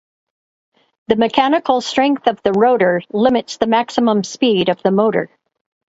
The mechanical strength of the rotor limits the maximum speed of the motor.